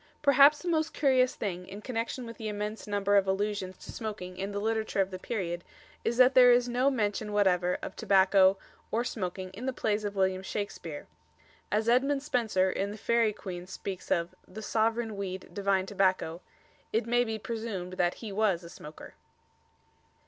Perhaps the most curious thing in connexion with the immense number of allusions to smoking in the literature of the period is that there is no mention whatever of tobacco or smoking in the plays of William Shakespeare. As Edmund Spenser, in the "Faerie Queene," speaks of The soveraine weede, divine tobacco, it may be presumed that he was a smoker.